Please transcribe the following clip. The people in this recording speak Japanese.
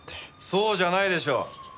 そうじゃないでしょ。